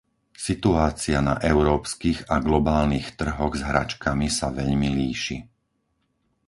Situácia na európskych a globálnych trhoch s hračkami sa veľmi líši.